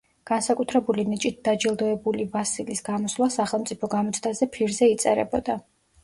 განსაკუთრებული ნიჭით დაჯილდოებული ვასილის გამოსვლა სახელმწიფო გამოცდაზე ფირზე იწერებოდა.